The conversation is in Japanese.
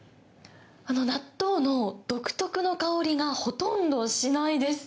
納豆の独特な香りがほとんどしないです。